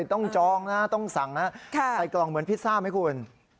ต้องจองนะต้องสั่งนะใส่กล่องเหมือนพิซซ่าไหมคุณ